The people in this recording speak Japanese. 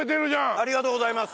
ありがとうございます！